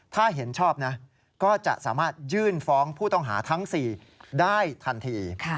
ถ้าเห็นชอบนะก็จะสามารถยื่นฟ้องผู้ต้องหาทั้ง๔ได้ทันที